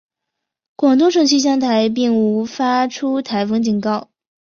广东省气象台并无发出台风警告。